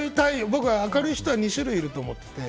僕は明るい人は２種類いると思ってて。